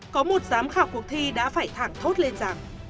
có một giám khảo cuộc thi đã phải thẳng thốt lên giả